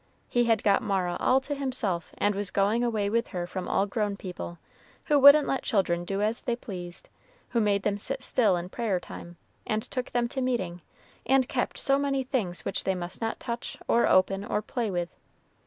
He had got Mara all to himself, and was going away with her from all grown people, who wouldn't let children do as they pleased, who made them sit still in prayer time, and took them to meeting, and kept so many things which they must not touch, or open, or play with.